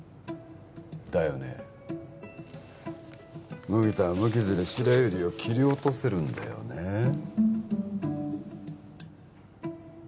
だよね麦田は無傷で白百合を切り落とせるんだよねえ